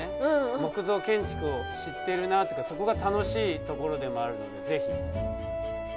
木造建築を知ってるなとかそこが楽しいところでもあるのでぜひ。